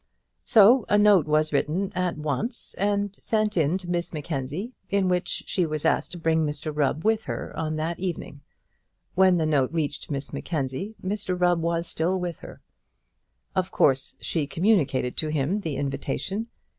So a note was at once written and sent in to Miss Mackenzie, in which she was asked to bring Mr Rubb with her on that evening. When the note reached Miss Mackenzie, Mr Rubb was still with her. Of course she communicated to him the invitation.